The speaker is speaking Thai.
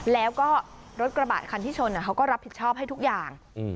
แล้วก็รถกระบะคันที่ชนเขาก็รับผิดชอบให้ทุกอย่าง